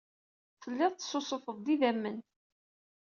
Tellid tessusufed-d idammen.